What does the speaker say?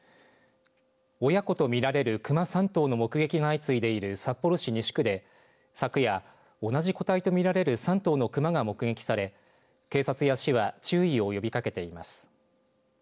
親子と見られる熊３頭の目撃が相次いでいる札幌市西区で昨夜、同じ個体と見られる３頭の熊が目撃され警察や市は注意を呼びかけています。